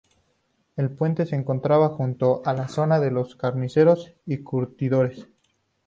El puente se encontraba junto a la zona de los carniceros y curtidores.